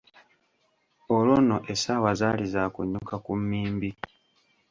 Olwo nno essaawa zaali za kunnyuka ku mmimbi.